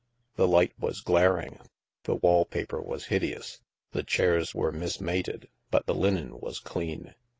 The light was glar ing, the wall paper was hideous, the chairs were mis mated, but the linen was clean.